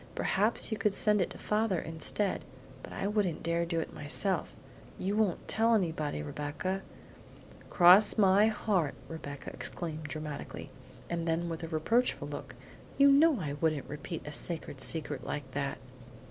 Perhaps you could send it to father instead, but I wouldn't dare to do it myself. You won't tell anybody, Rebecca?" "Cross my heart!" Rebecca exclaimed dramatically; and then with a reproachful look, "you know I couldn't repeat a sacred secret like that!